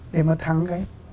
để mà thắng cái